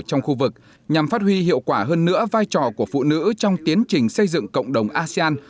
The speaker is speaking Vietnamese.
trong khu vực nhằm phát huy hiệu quả hơn nữa vai trò của phụ nữ trong tiến trình xây dựng cộng đồng asean